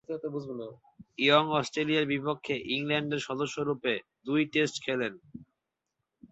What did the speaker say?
Young অস্ট্রেলিয়ার বিপক্ষে ইংল্যান্ডের সদস্যরূপে দুই টেস্ট খেলেন।